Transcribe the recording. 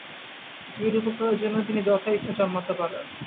জীবের উপকারের জন্য তিনি যথা ইচ্ছা জন্মাতে পারেন।